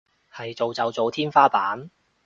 係做就做天花板